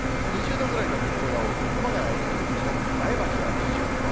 ２０度ぐらいの所が多く、熊谷２１度、前橋は２２度。